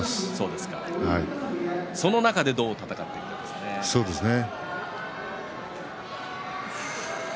その中でどう戦っていくかそうですね。